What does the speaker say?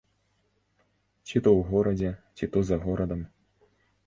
Ці то ў горадзе, ці то за горадам.